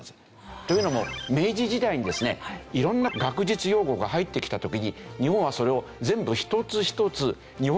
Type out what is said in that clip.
というのも明治時代にですね色んな学術用語が入ってきた時に日本はそれを全部一つ一つ日本語に訳していったんです。